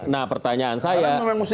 nah pertanyaan saya